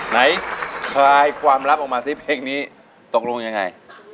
ในความลับออกมาที่เพลงนี้ตกลงยังไง